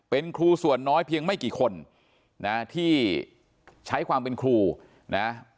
เป็นครูส่วนน้อยเพียงไม่กี่คนนะที่ใช้ความเป็นครูนะ